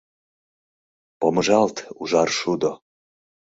Помыжалт, ужар шудо!